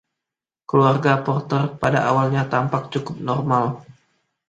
Keluarga Porter pada awalnya tampak cukup normal.